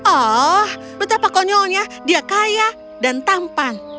oh betapa konyolnya dia kaya dan tampan